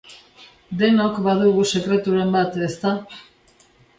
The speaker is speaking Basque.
Denok badugu sekreturen bat, ezta?